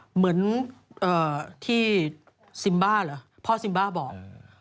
เหมือนที่ซิมบ้าเหรอพ่อซิมบ้าบอก